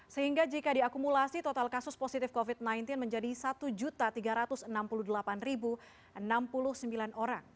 sehingga jika diakumulasi total kasus positif covid sembilan belas menjadi satu tiga ratus enam puluh delapan enam puluh sembilan orang